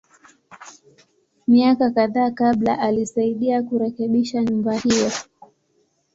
Miaka kadhaa kabla, alisaidia kurekebisha nyumba hiyo.